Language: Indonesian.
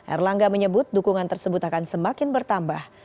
erlangga menyebut dukungan tersebut akan semakin bertambah